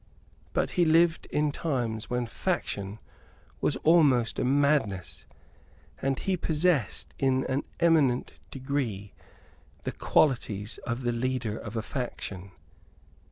But he lived in times when faction was almost a madness; and he possessed in an eminent degree the qualities of the leader of a faction.